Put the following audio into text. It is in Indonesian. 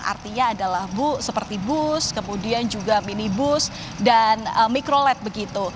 artinya adalah bu seperti bus kemudian juga minibus dan mikrolet begitu